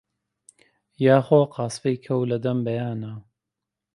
یا خۆ قاسپەی کەو لەدەم بەیانا